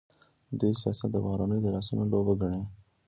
دوی سیاست د بهرنیو د لاسونو لوبه ګڼي.